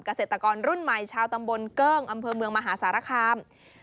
เกษตรกรรุ่นใหม่ชาวตำบลเกิ้งอำเภอเมืองมหาสารคาม